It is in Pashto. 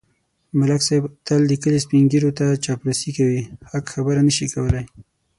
ملک صاحب تل د کلي سپېنږیروته چاپلوسي کوي. حق خبره نشي کولای.